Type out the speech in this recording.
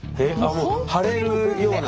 もう腫れるような。